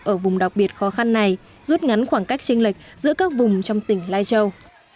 ở vùng đặc biệt khó khăn này rút ngắn khoảng cách tranh lệch giữa các vùng trong tỉnh lai châu